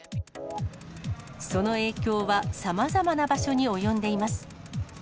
その影響はさまざまな場所に及んでいます。